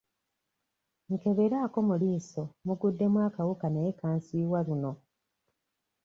Nkeberaako mu liiso muguddemu akawuka naye kansiiwa luno.